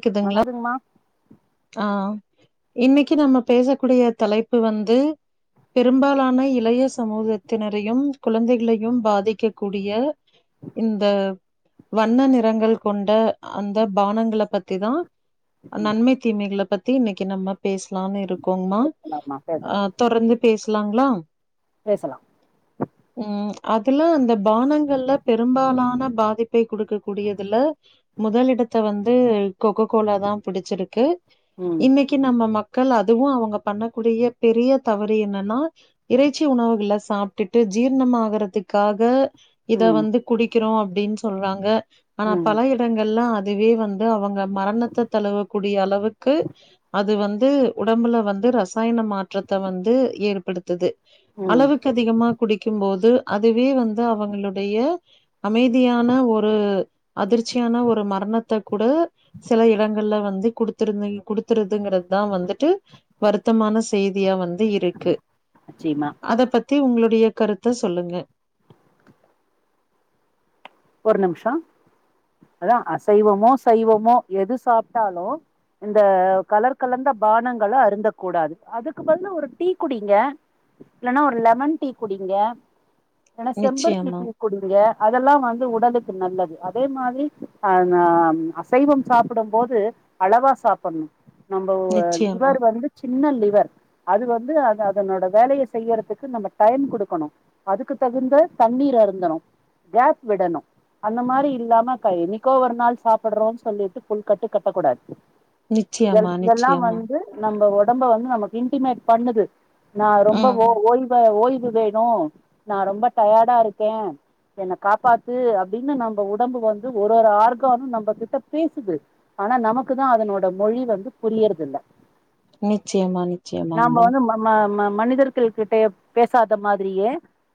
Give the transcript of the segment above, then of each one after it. க்குதுங்களா வணதுங்ம்மா ஆ இன்னைக்கு நம்ம பேசக்கூடிய தலைப்பு வந்து பெரும்பாலான இளைய சமூகத்தினரையும் குழந்தைகளையும் பாதிக்க கூடிய இந்த வண்ண நிறங்கள் கொண்ட அந்த பானங்கள பத்திதா ம் நன்மை தீமைகள பத்தி இன்னைக்கு நம்ம பேசலாம் இருக்கோங்ம்மா பேசலாம்மா பேசலா அ தொடர்ந்து பேசலாங்ளா பேசலா ம் அதுல அந்த பானங்கள்ல பெரும்பாலான பாதிப் பு குடுக்க கூடியதுல முதலிடத்த வந்து கொக்கோகோலா தா புடிச்சிருக்கு ம் இன்னைக்கு நம்ம மக்கள் அதுவு அவுங்க பண்ணக்கூடிய பெரிய தவறு என்னன்னா இறைச்சி உணவுகள சாப்ட்டுட்டு ஜீர்ணம் ஆகுறதுக்காக இத ம் வந்து குடிக்கிறோ அப்டின் சொல்றாங்க ஆனா ம் பல இடங்கள்ல அதுவே வந் து அவுங்க மரணத்த தழுவக்கூடிய அளவுக்கு அது வந்து உடம்புல வந்து ரசாயன மாற்றத்த வந்து ஏற்படுத் துது ம் அளவுக்கு அதிகமா குடிக்கும்போது அதுவே வந்து அவுங்களுடைய அமைதியான ஒரு அதிர்ச்சியான ஒரு மரணத்த கூட சில இடங்கள்ல வந் து குடுத்திருந்தை குடுத்திருதிங்கறத்தா வந்துட்டு வருத்தமான செய்தியா வந்து இரு க்கு நிச்சயமா அத பத்தி உங்களுடைய கருத்த சொல்லுங்க ஒரு நிம்ஷோ அதா அசைவமோ சைவமோ எது சாப்ட்டாலு இந்த கலர் கலந்த பானங்கள அருந்த கூடாது அதுக்கு பதிலு ஒரு டீ குடிங்க இல்லனா ஒரு லெமன் டீ குடிங்க ஏனா செம்பருத்தி நிச்சயமா, டீ குடிங்க அதெல்லா வ ந்து உடலுக்கு நல்லது அதே மாதிரி ஆ அசைவம் சாப்பிடம்போது அளவா சாப்பட்ணு நம்ம நிச்சயமா, லிவர் வந்து சின்ன லிவர் அது வந்து அது அதனோட வேலைய செய்யறதுக்கு நம்ம டைம் குடுக்கணு அதுக்கு தகுந்த தண்ணீர் அருந்தணு கேப் விடணு அந்த மாரி இல்லாம க என்னிக்கோ ஒரு நாள் சாப்பிட்றோம் சொல்லிட்டு ஃபுல் கட்டு கட்டக்கூடாது இதழ் நிச்சயமா, இதெல்லா நிச்சயமா. வந்து நம்ப ஒடம்ப வந்து நமக்கு இன்டிமேட் பண்ணுது நா ரொம்ப ம். ஓ ஓய் வ ஓய்வுவேணு நா ரொம்ப டயர்டாருக்கே காப்பாத்து அப்டின்னு நம்ப உடம்பு வந்து ஒரு ஒரு ஆர்க்கானு நம்ப கிட்ட பேசுது ஆனா நமக்கு தா அதனோட மொழி வந்து புரியறது இல்ல நிச்சயமா நிச்சயமாங்மா வந்து ம ம ம மனிதர்கள் கிட்ட பேசாத மாதிரியே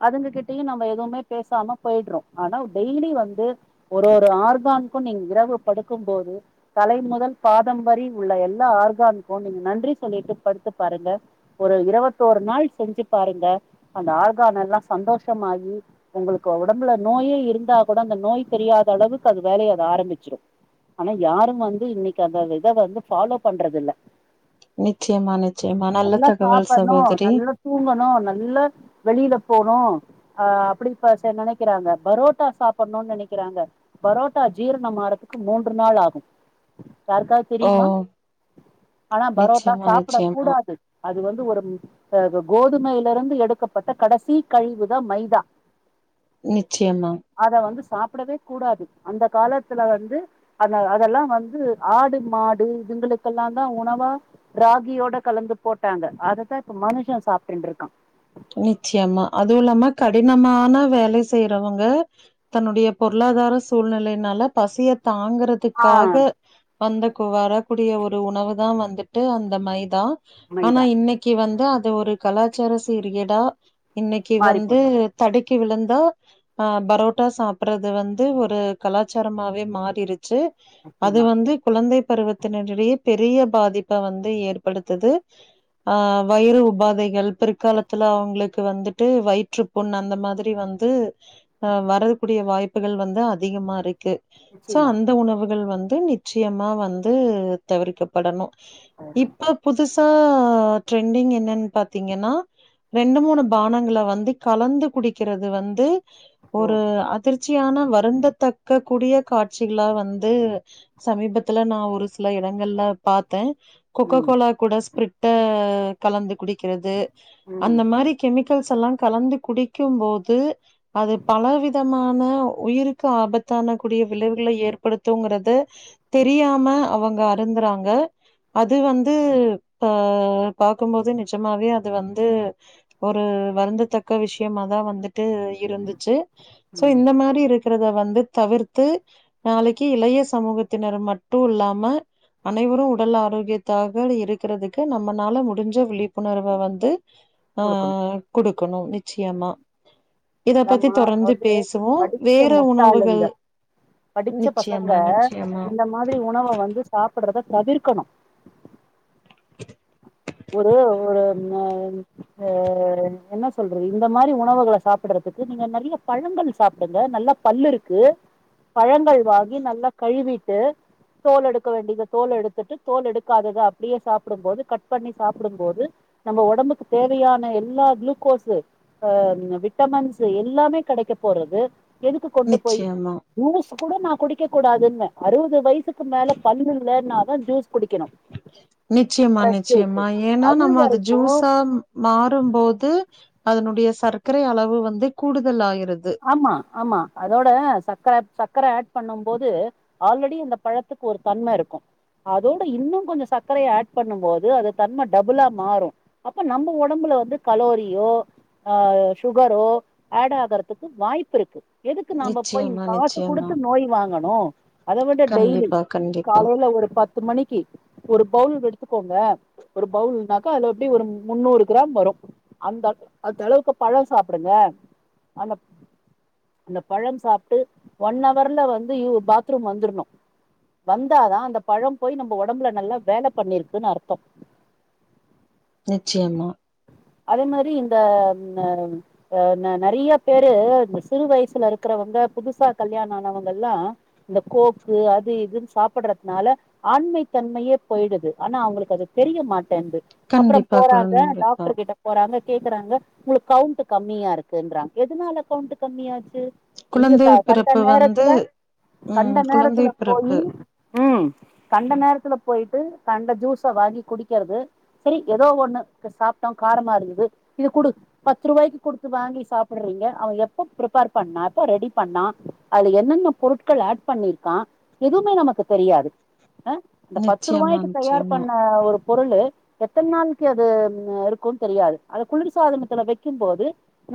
அதுங்க கிட்டயு நம்ம எதுமே பேசாம போய்ட்றோ ஆனா டெய்லி வந்து ஒரு ஒரு ஆர்கான்க்கு நீங்க இரவு படுக்கும்போது தலை முதல் பாதம்பரி உள்ள எல்லா ஆர்கான்க்கு நீங்க நன்றி சொல்லிட்டு படுத்து பாருங்க ஒரு இருவத்தொரு நாள் செஞ்சி பாருங்க அந்த ஆர்கானெல்லா சந்தோஷமாயி ஒங்களு க்கு ஒடம்புல நோயே இருந்தா கூட அந்த நோய் தெரியாத அளவுக்கு அது வேலய அது ஆரம்பிச்சிரு ஆனா யாரு வந்து இன்னக்கி அத இத வந்து ஃபாலோ பண்றது இல்ல நிச்சயம்மா நிச்சயம்மா நல்லா தகவல் சாப்பட்ணும் சகோதரி நல்லா தூங்கணு நல்ல வெளில போணு ஆ அப்டி ப ச நெனைக்கிறாங்க பரோட்டா சாப்புணுன் நெனைக்கிறாங்க பரோட்டா ஜீர்ணம்மாறதுக்கு மூன்று நாள் ஆகு யாருக்காது ஓ! தெரிமா ஆனா பரோட்டா நிச்சயமா, சாப்ட நிச்சயமா, கூடாது அது வந்து ஒரு ப்ப அது கோதுமைலருந்து எடுக்கப்பட்ட கடைசி கழிவு தா மைதா நிச்சயமா அத வந்து சாப்டவே கூடாது அந்த காலத்துல வந்து அன்ன அதெல்லா வந்து ஆடு மாடு இதுங்களுக்கெல்லா தா உணவா ராகியோட கலந்து போட்டாங்க அததா இப்ப மனுஷே சாப்டுன்ட்ருக்கா நிச்சயமா அதுவுல்லாம கடினமான வேல செய்றவங்க தன்னுடைய பொருளாதார சூழ்நிலைனால பசிய தாங்கற ஆ த்துக்காக வந்தக்கு வரக்கூடிய ஒரு உணவு தா வந்துட்டு அந்த மைதா மைதா ஆனா இன்னக்கி வந்து அது ஒரு கலாச்சார சீர்கேடா இன்னக்கி மாறி வந்து போச்சு தடுக்கி விழுந்தா ஆ பரோட்டா சாப்புறது வந்து ஒரு கலாச்சாரமாவே மாறிருச்சு அது நிச்சயமா வந்து குழந்தை பருவத்தினரிடயே பெரிய பாதிப்ப வந்து ஏற்படுத்துது ஆ வயிறு உபாதைகள் பிற்காலத் துல அவுங்ளுக்கு வந்துட்டு வயிற்று புண் அந்த மாதிரி வந்து வரக்கூடிய வாய் ப்புகள் வந்து அதிகமாருக்கு ஸோ நிச்சயமா அந்த உணவுகள் வந்து நிச்சயமா வந்து தவிர்க்கப்படணு ஓகே இப்ப புதுசா ட்ரெண்டிங் என்னன் பாத்தீங்கன்னா ரெண்டு மூணு பானங்கள வந்து கலந்து குடிக்கிறது வந்து ஓ ஒரு அதிர் ச்சியான வருந்ததக்க கூடிய காட்சிகளா வந்து சமீபத்துல நா ஒரு சில இடங்கள்ல பாத்தே ம் கொக்ககோலா கூட ஸ்பிரிட்ட கலந்து குடிக்கிறது ம் அந்த மாரி கெமிக்கல்ஸ் எல்லா கலந்து குடிக்கும்போது அது பலவித மான உயிருக்கு ஆபத்தான கூடிய விளைவுகள ஏற்படுத்துங்கறது தெரியாம அவங்க அருந்துறாங்க அது வந்து ப பாக்கும்போது நிஜமாவே அது வந்து ஒரு வருந்துத்தக்க விஷயமாதா வந்துட்டு இருந்துச்சு சோ ம் இந்த மாரி இருக்கறத வந்து தவிர்த்து நாளைக்கு இளைய சமூகத்தினர் மட்டு இல்லாம அனைவரு உடல் ஆரோக்கியத் தாக இருக்குறதுக்கு நம்மனாள முடிஞ்ச விழிப்புணர்வ வந்து ஆ குடுக்கணும் குடுக்கணு நிச்சயமா இத பத்தி அதாம்மா தொடர்ந்து அதாவது பேசுவோ படிச்ச வேற உணவுகள் முட்டாளுங்க படிச்ச பசங்க நிச்சியமா நிச்சியமா இந்த மாதிரி உணவ வந்து சாப்படறத தவிர்க்கனு [unintelligible] ஒரு ஒரு [unintelligible] அஹ் என்ன சொல்றது இந்த மாரி உணவுகள சாப்படறதுக்கு நீங்க நெறைய பழங்கள் சாப்டுங்க நல்லா பல்லு இருக்கு பழங்கள் வாங்கி நல்லா கழுவிட்டு தோல் எடுக்க வேண்டியத தோல் எடுத்துட்டு தோல் எடுக்காதத அப்டியே சாப்டும் போது கட் பண்ணி சாப்டும் போது நம்ம ஒடம்புக்கு தேவையான எல்லா குளுக்கோஸு அஹ் விட்டமன்ஸ் எல்லாமே கெடைக்க போறது எதுக்கு கொண்டு போய் நிச்சயமா ஜூஸ் கூட நா குடிக்க கூடாதுன்ப அறுவது வயசுக்கு மேல பல்லு இல்லனாதா ஜூஸ் குடிக்கணு நிச்சியமா நிச்சியமா ஏன்னா நம்ம அது ஜூஸா அம் மாறும்போது அதனுடைய சர்க்கரை அளவு வந்து கூடுதல் ஆயிருது ஆம்மா ஆம்மா அதோட சக்க சக்கர ஆட் பண்ணும் போது ஆல்ரெடி இந்த பழத்துக்கு ஒரு தன்ம இருக்கு அதோட இன்னு கொஞ்சோ சர்க்கரைய ஆட் பண்ணு போது அது தன்ம டபுளா மாறு அப்ப நம்ம ஒடம்புல வந்து கலோரியோ அஹ் சுகரோ ஆட் ஆகரது க்கு வாய்ப்பு இருக்கு எதுக்கு நாம்ப போய் நிச்சயமா காசு நிச்சயமா கொடுத்து நோய் வாங்கணு அத விட டெய்லி கண்டிப்பா கண்டிப்பா காலைல ஒரு பத்து மணிக்கு ஒரு பவுல் எடுத்துக்கோங்க ஒரு பவுல்னாக்கா அது எப்டி ஒரு முண்ணுறு க்ராம் வரு அந்த அந்த அளவுக்கு பழ சாப்டுங்க அந்த அந்த பழம் சாப்ட்டு ஒன் அவர்ல வந்து யு பாத்ரூம் வந்துர்ணு வந்தாதா அந்த பழம் போய் நம்ம ஒடம்புல நல்லா வேல பண்ணிருக்குன்னு அர்த்தோ நிச்சயமா அதே மாரி இந்த ம் அம் அஹ் ந நெறைய பேரு இந்த சிறு வயசுல இருக்குறவங்க புதுசா கல்யாண ஆனவங்கெல்லா இந்த கோக்கு அது இதுன் சாப்படறத்னால ஆண்மை தன்மையே போயிடுது ஆனா அவுங்களுக்கு அது தெரிய மாட்டன்து அப்றோ கண்டிப்பா போறாங்க டாக் கண்டிப்பா ட்ட போறாங்க கேக்கறாங்க உங்களுக்கு கவுண்ட் கம்மியா இருக்குன்றாங் எதுனால கவுண்ட் கம்மியாச்சு நீங்க குழந்தை கட்ட பிறப்பு வந்து நேரத்துல கண்ட ம் குழந்தை நேரத்துல போயி பிறப்பு ம் கண்ட நேரத்துல போய்ட்டு கண்ட ஜூஸ வாங்கி குடிக்கறது. சரி ஏதோ ஒண்ணு சாப்ட்டோ காரமா இருந்துது இது குடு பத்து ருவாய்க்கு குடுத்து வாங்கி சாப்பட்றீங்க அவ எப்ப ப்ரிப்பேர் பண்ணா எப்ப ரெடி பண்ணா அதுல என்னென்ன பொருட்கள் ஆட் பண்ணிருக்கா எதுவுமே நமக்கு தெரியாது அஹ் இந்த நிச்சயமா பத்துருவாய்க்கு தயார் நிச்சயமா பண்ண ஒரு பொருளு எத்தன் நாள்க்கு அது ம் இருக் க்கு தெரியாது அது குளிர்சாதனத்துல வக்கும் போது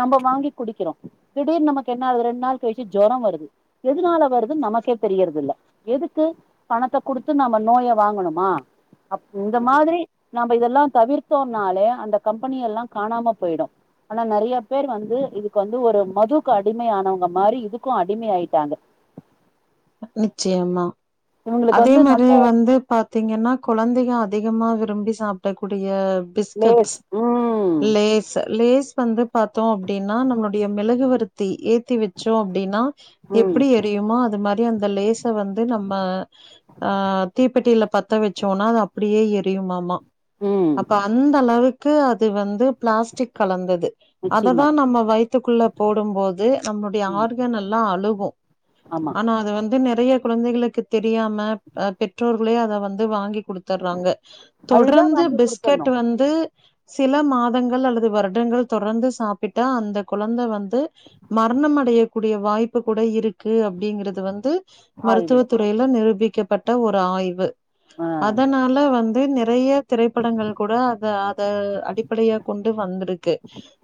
நம்ம வாங்கி குடிக்கறோ திடீர்னு நமக்கு என்ன ஆகுது ரெண்டு நாள் கழிச்சு ஜொரோ வருது எதுனால வருது நமக்கே தெரியறதில்ல எதுக்கு பணத்த குடுத்து நாம நோய வாங்கணுமா அப் இந்த மாதிரி நாம்ப இதெல்லா தவிர்த்தோனாலே அந்த கம்பெனி எல்லா காணாம போய்டு ஆனா நெறியா பேர் வந்து இதுக்கு வந்து ஒரு மதுக்கு அடிமையானவங்க மாரி இதுக்கு அடிமையாய்ட்டாங்க நிச்சியமா இவுங்களுக்கு அதே வந்து மாரி நல்ல வந்து பாத்தீங்கன்னா குழந்திக அதிகமா விரும்பி சாப்டக்குடிய பிஸ்கட்ஸ் லேஸ் ம் லேஸ்சு லேஸ் வந்து பாத்தோ அப்டின்னா நம்ளுடைய மெழுகுவர்த்தி ஏத்தி வைச்சோ அப்டின்னா ம் எப்டி எரியுமோ அது மாரி அந்த லேச வந்து நம்ம ஆ தீப்பெட்டில பத்த வச்சோனா அது அப்டியே எரியுமாமா ம் அப்ப அந்த அளவுக்கு அது வந்து ப்ளாஸ்டிக் கலந்தது நிச்சயமா அததா நம்ம வயித் த்துக்குள்ள போடும்போது நம்ளுடைய ம் ஆர்கன்னல்லா அழுகு ஆமா ஆனா அது வந்து நெறைய குழந்தைகளுக்கு தெரியாம அ பெற்றோர்களே அத வந்து வாங்கி குடுத்தர்றாங்க அழுதா தொடர்ந்து வாங்கி குடுத்தர்ணு பிஸ்கட்டு வந்து சில மாதங்கள் அல்லது வருடங்கள் தொடர்ந்து சாப்பிட்டா அந்த கொழந்த வந்து மர்ணமடையக்குடிய வாய்ப்பு குட இருக்கு அப்டீங்றது வந்து மருத்துவ ஆய்வுல துறைல நிரூபிக்கப்பட்ட ஒரு ஆய்வு ஆ அதனால வந்து நெர் நறைய திரைப்படங்கள் கூட அத அத அடிப்படையா கொண்டு வந்து ருக்கு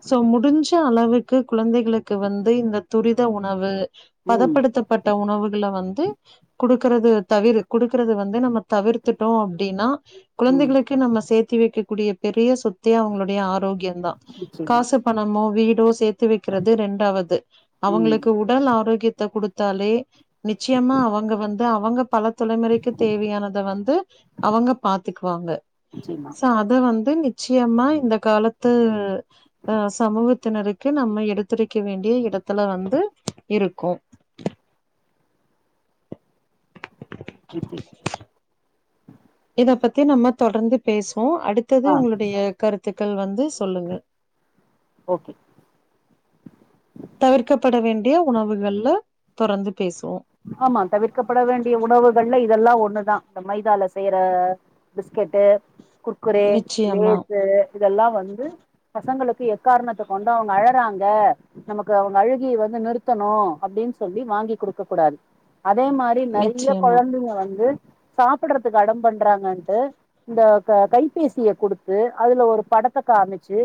சோ முடிஞ்ச அளவுக்கு குழந்தைகளுக்கு வந்து இந்த துரித உணவு ம் பதப்படுத்தப்பட்ட உணவுகள வந்து குடுக்கறது தவிரு குடுக்கறது வந்து நம்ம தவிர்த்துட்டோ அப்டின்னா ம் குழந்தைகளுக் நம்ம சேத்தி வைக்கக்கூடிய பெரிய சொத்தே அவுங்ளுடைய ஆரோக்கியோ தா நிச்சயமா காசு பணமோ வீடோ சேத்து வெக்கிறது ரெண்டாவது ம் அவுங்களுக்கு உட் உடல் ஆரோக்கியத்த குடுத்தாலே நிச்சியமா அவங்க வந்து அவங்க பல தலைமுறைக்கு தேவையானத வந்து அவங்க பாத்துக்குவாங்க நிச்சயமா சோ அது து வந்து நிச்சியமா இந்த காலத்து அ சமூகத்தினருக் க்கு நம்ம எடுத்துரைக்க வேண்டிய இடத்துல வந்து இருக்கு ம் சேர் இத பத்தி நம்ம தொடர்ந்து பேசுவோ அடுத்தது ஆ உங்ளுடைய கருத்துக்கள் வந்து சொல்லுங்க ஓகே தவிர்க்கப்பட வேண்டிய உணவுகள்ல தொடர்ந்து பேசுவோ ஆமா தவிர்க்கப்பட வேண்டிய உணவுகள்ல இதெல்லா ஒண்ணுதா இந்த மைதால செய்ற பிஸ்கெட்டு் குர்குரே நிச்சயமா லேசு இதெல்லா வந்து பசங்களுக்கு எக்காரணத்த கொண்டு அவ்ங்க அழறாங்க நமக்கு அவுங்க அழுகிய வந்து நிறுத்தணு அப்டின்னு சொல்லி வாங்கி குடுக் க குடாது அதே மாரி நெறைய நிச்சயமா கொழந்திங்க வந்து சாப்டுறதுக்கு அடம் பண்றாங்கன்ட்டு இந்த க கைபேசிய குடுத்து அதுல ஒரு படத்த காமிச்சு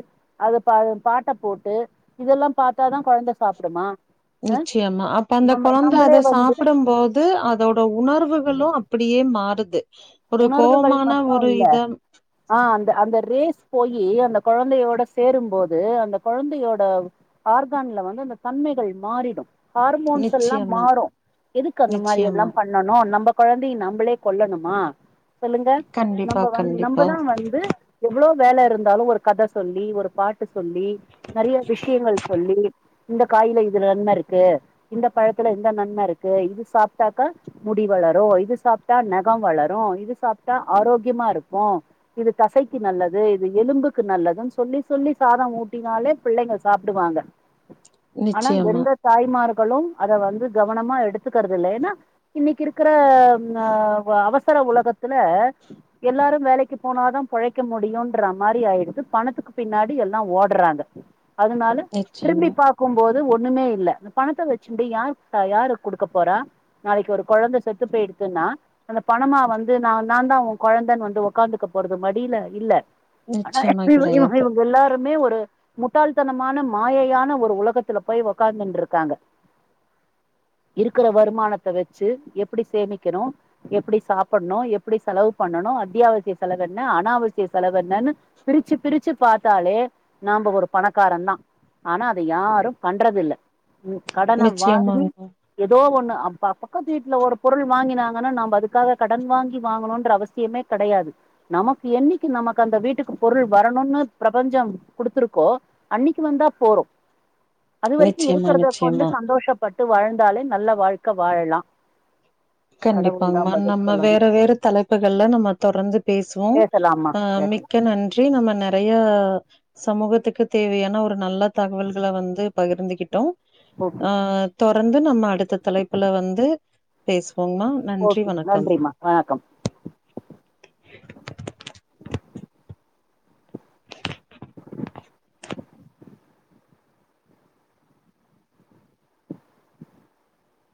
அது ப பாட்ட போட்டு இதெல்லா பாத்தாதா கொழந்த சாப்புடுமா நிச்சியமா அப்ப அந்த நம்ம கொழந் கொஞ்சோ நம்பளே அது வந்து சாப்படுபோது அதோட உணர்வுகளு அப்டியே மாறுது ஒரு உணர்வுகள் கோவமான மட்டு ஒரு இல்ல இதா ஆ அந்த அந்த ரேஸ் போயி அந்த கொழந்தையோட சேரும்போது அந்த கொழந்தையோட ஆர்கான்ல வந்து அந்த தன்மைகள் மாறிடு ஹார்மோன்ஸல்லா நிச்சயமா மாறு எதுக்கு அந்த மாரி எல்லா நிச்சயமா பண் ணனும் நம்ப கொழந்தைய நம்மளே கொல்லணுமா சொல்லுங்க கண்டிப்பா நம்ம வந் கண்டிப்பா நம்மதா வந்து எவ்ளோ வேல இருந்தாலு ஒரு கத சொல்லி ஒரு பாட்டு சொல்லி நெறைய விஷயங்கள் சொல்லி இந்த காயில இது நன்ம இருக்கு இந்த பழத்துல இந்த நன்ம இருக்கு இது சாப்ட்டாக்கா முடி வளரு இது சாப்ட்டா நகம் வளரு இது சாப்ட்டா ஆரோக்கியமா இருக்கு இது தசைக்கு நல்லது இது எலும்புக்கு நல்லதுன்னு சொல்லி சொல்லி சாதம் ஊட்டினாலே பிள்ளைங்க சாப்டுகுவாங்க ஆனா நிச்சயமா எந்த தாய்மார்களும் அத வந்து கவனமா எடுத்துக்கறது இல்ல ஏன்னா இன்னைக்கு இருக்கிற ஆ அவசர உலகத்துல எல்லாரு வேலைக்கு போனாதா பொழைக்க முடியுன்ற மாரி ஆயிருது பணத்துக்கு பின்னாடி எல்லா ஓட்றாங்க அதுனால நிச்சயமா திரும்பிப் பா க்கும் போது ஒண்ணுமே இல்ல இந்த பணத்த வச்சுன்ட்டு யாரு யாருக் குடுக்கப்போறா நாளைக்கு ஒரு கொழந்த செத்து போயிடுத்துன்னா அந்த பணமா வந்து நான் தா ஒ கொழந்தன்னு வந்து உக்காந்துக்க போர்றது மடியில இல்ல ஆனா நிச்சயமா எப்டி இவுங்க கிடையாது இவுங்க எல்லாருமே ஒரு முட்டாள்தனமான மாயையான ஒரு உலகத்துல போய் உக்கார்ந்துன்டு இருக்காங்க இருக்கிற வருமானத்த வச்சு எப்புடி சேமிக்கணு எப்புடி சாப்பட்ணு எப்புடி செலவு பண்ணணு அத்தியாவசிய செலவு என்ன அனாவசிய செலவு என்னன்னு பிரிச்சு பிரிச்சு பாத்தாலே நாம ஒரு பணக்காரந்தா ஆனா அத யாரும் பண்றதில்ல ம் கடன வாங்கி நிச்சயமாங்க எதோ ஒண்ணு அப்ப பக்கத்து வீட்ல ஒரு பொருள் வாங்கினாங்கன்னா நம்ப அதுக்காக கடன் வாங்கி வாங்கணுன்ற அவசியமே கெடையாது நமக்கு என்னிக்கு நமக்கு அந்த வீட்டுக்கு பொருள் வரணுன்னு பிரபஞ்சம் குடுத்துருக்கோ அன்னிக்கு வந்தா போறும் அது வரைக்கும் நிச்சயமா இருக்குறத கொண்டு நிச்சயமா சந்தோஷப் பட்டு வாழ்ந்தாலே நல்ல வாழ்க்கை வாழலா கண்டி கடவுள் தான் ப்பாங்மா பதில் நம்ம சொல்லணும் வேற வேற தலைப்புகள்ல நம்ம தொடர்ந்து பேசுவோ பேசலாம்மா ஆ மிக்க பேசலாம் மிக்க நன்றி நம்ம நெறைய சமூகத்துக்கு தேவையான ஒரு நல்ல தகவல்களை வந்து பகிர்ந்துகிட்டோ ஓகே அ ஆ தொரந்து நம்ம அடுத்த தலைப்புல வந்து அ பேசுவோங்மா ஓகே நன்றிம்மா வணக்கம்